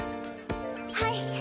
はい！